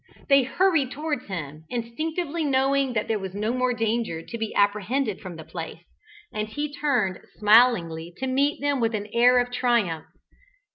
They hurried towards him, instinctively knowing that there was no more danger to be apprehended from the place, and he turned smilingly to meet them with an air of triumph.